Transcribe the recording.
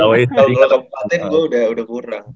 kalo ke bupatin gue udah kurang